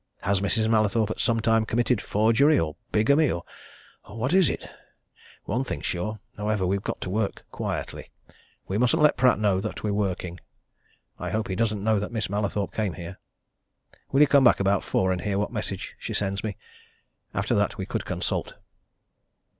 Has Mrs. Mallathorpe at some time committed forgery or bigamy or what is it? One thing's sure, however we've got to work quietly. We mustn't let Pratt know that we're working. I hope he doesn't know that Miss Mallathorpe came here. Will you come back about four and hear what message she sends me? After that, we could consult."